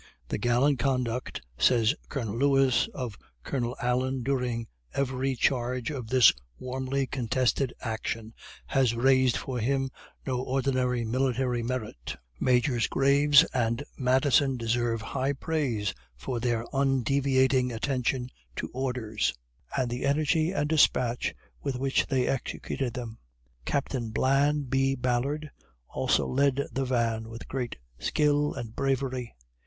"The gallant conduct," says Colonel Lewis, "of Colonel Allen during every charge of this warmly contested action, has raised for him no ordinary military merit. Majors Graves and Madison deserve high praise for their undeviating attention to orders, and the energy and despatch with which they executed them. Captain Blan B. Ballard also led the van with great skill and bravery."